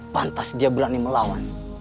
pantas dia berani melawan